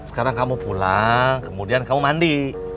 sekarang kamu pulang kemudian kamu mandi